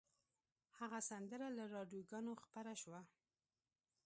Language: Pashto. هغه سندره له راډیوګانو خپره شوه